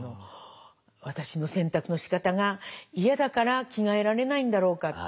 「『私の洗濯のしかたが嫌だから着替えられないんだろうか。